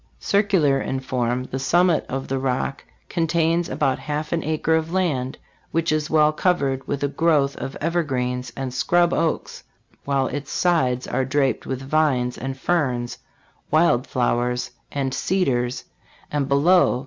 Circular in form, the summit of the Rock contains about half an acre of land, which is well covered with a growth of evergreens and scrub oaks, while its sides are draped with vines and ferns, wild flowers and cedars, and below